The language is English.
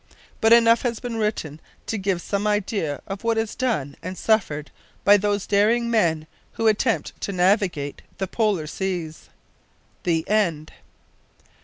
But enough has been written to give some idea of what is done and suffered by those daring men who attempt to navigate the Polar seas. THE END.